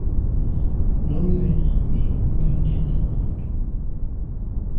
Nu mèn nà mi me nène.